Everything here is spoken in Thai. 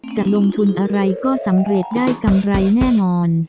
จะลงทุนอะไรก็สำเร็จได้กำไรแน่นอน